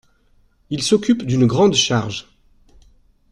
Il s’occupe d’une grande charge.